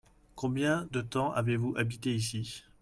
Combien de temps avez-vous habité ici ?